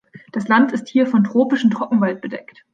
Das Land ist hier von tropischem Trockenwald bedeckt.